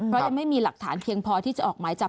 เพราะยังไม่มีหลักฐานเพียงพอที่จะออกหมายจับ